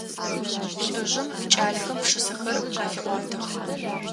Лӏыжъым кӏалэхэм пшысэхэр къафеӏуатэх.